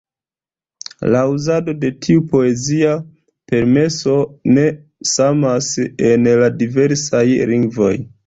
La uzado de tiu poezia permeso ne samas en la diversaj lingvoj.